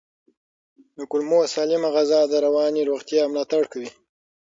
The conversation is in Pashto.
د کولمو سالمه غذا د رواني روغتیا ملاتړ کوي.